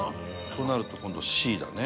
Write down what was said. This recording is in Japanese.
となると今度Ｃだね。